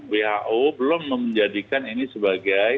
who belum menjadikan ini sebagai